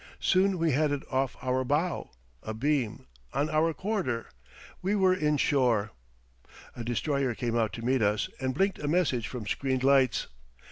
Soon we had it off our bow, abeam, on our quarter; we were inshore. A destroyer came out to meet us and blinked a message from screened lights.